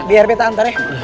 biar kita antar ya